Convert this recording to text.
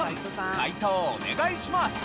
解答お願いします。